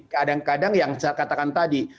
kadang kadang yang saya katakan tadi